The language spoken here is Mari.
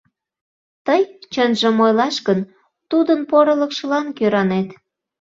— Тый, чынжым ойлаш гын, тудын порылыкшылан кӧранет.